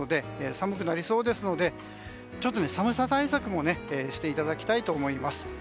寒くなりそうですので寒さ対策もしていただきたいと思います。